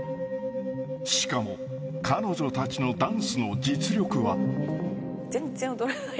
しかも彼女たちのダンスの実全然踊れない。